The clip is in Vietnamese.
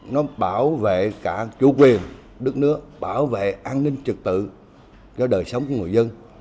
nó bảo vệ cả chủ quyền đất nước bảo vệ an ninh trực tự cho đời sống của người dân